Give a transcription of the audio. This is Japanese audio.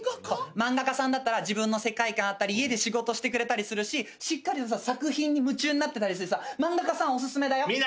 漫画家さんだったら自分の世界観あったり家で仕事してくれたりするししっかり作品に夢中になってたりしてさ漫画家さんおすすめだよ。